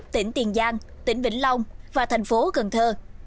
tỉnh tiền giang tỉnh vĩnh long và thành phố cần thơ